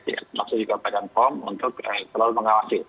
termasuk juga badan pom untuk selalu mengawasi